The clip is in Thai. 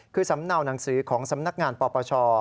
คือสำเนาหนังสือของสำนักงานปปช